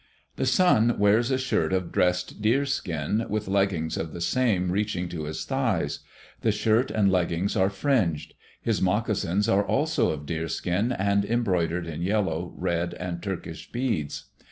The sun wears a shirt of dressed deerskin, with leggings of the same reaching to his thighs. The shirt and leggings are fringed. His moccasins are also of deerskin and embroidered in yellow, red, and turkis beads.